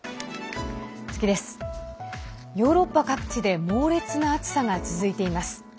ヨーロッパ各地で猛烈な暑さが続いています。